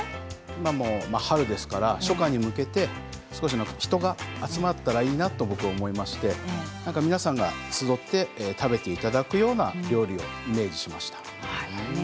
今は春ですから初夏に向けて人が集まったらいいなと思いまして皆さんが集まって食べていただけるような料理をイメージしました。